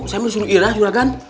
saya mesti suruh irah joragan